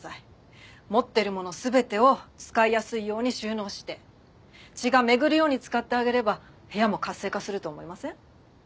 持ってる物全てを使いやすいように収納して血が巡るように使ってあげれば部屋も活性化すると思いません？